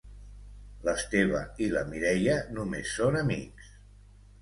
L'Esteve i la Mireia només són amics.